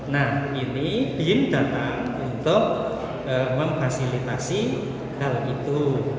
nah ini bin datang untuk memfasilitasi hal itu